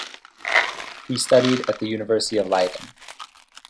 He studied at the University of Leiden.